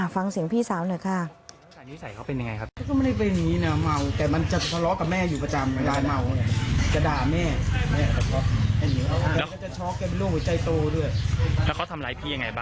ฟังเสียงพี่สาวหน่อยค่ะ